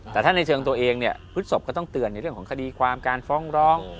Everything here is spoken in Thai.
แต่ถ้าในเชิงตัวเองเนี่ยพฤศพก็ต้องเตือนในเรื่องของคดีความการฟ้องร้อง